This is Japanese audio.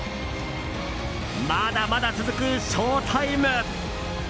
まだまだ続くショウタイム。